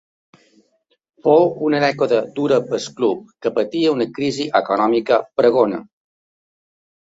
Fou una dècada dura pel club, que patia una crisi econòmica pregona.